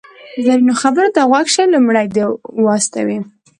زرینو خبرو ته غوږ شئ، لومړی دې و استوئ.